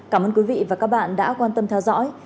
cảm ơn quý vị và các bạn đã quan tâm theo dõi